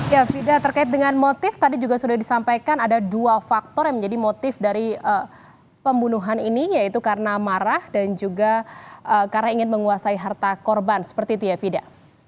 ya fida terkait dengan motif tadi juga sudah disampaikan ada dua faktor yang menjadi motif dari pembunuhan ini yaitu karena marah dan juga karena ingin menguasai harta korban seperti itu ya fida